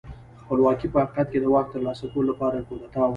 خپلواکي په حقیقت کې د واک ترلاسه کولو لپاره یوه کودتا وه.